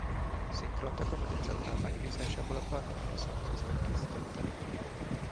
A szinkront a Comedy Central megbízásából a Pannónia Sound System készítette.